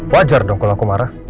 wajar dong kalau aku marah